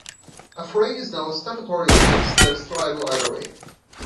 Affray is now a statutory offence that is triable either way.